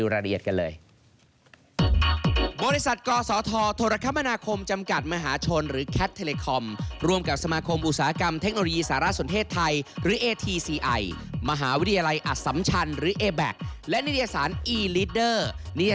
เราไปดูรายละเอียดกันเลย